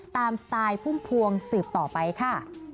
ตามสไตล์ภูมิภวงสืบต่อไปค่ะ